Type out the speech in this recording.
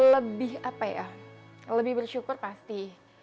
lebih apa ya lebih bersyukur pasti